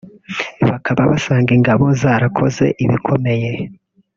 bakaba basanga ingabo zarakoze ibikomeye